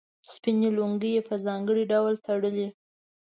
سپینې لونګۍ یې په ځانګړي ډول تړلې.